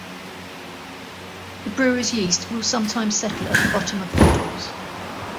The brewer's yeast will sometimes settle at the bottom of bottles.